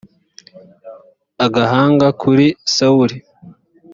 agahanga kuri sawuli